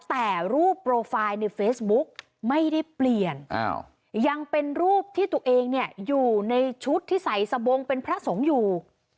แต่รูปโปรไฟล์ในเฟซบุ๊กไม่ได้เปลี่ยนยังเป็นรูปที่ตัวเองเนี่ยอยู่ในชุดที่ใส่สะบงเป็นพระสงฆ์อยู่